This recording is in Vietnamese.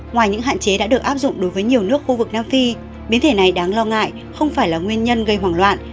ngoài những hạn chế đã được áp dụng đối với nhiều nước khu vực nam phi biến thể này đáng lo ngại không phải là nguyên nhân gây hoảng loạn